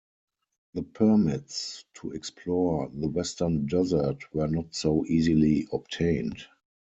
The permits to explore the Western Desert were not so easily obtained.